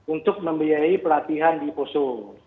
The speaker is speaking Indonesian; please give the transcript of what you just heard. untuk membiayai pelatihan di poso